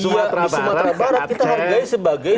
di sumatera barat kita hargai sebagai